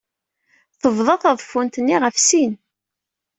Tebḍa taḍeffut-nni ɣef sin.